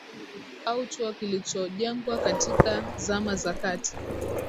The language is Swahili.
au chuo kilichojengwa katika Zama za Kati